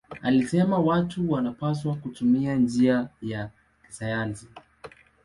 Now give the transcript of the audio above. Alisema watu wanapaswa kutumia njia ya kisayansi.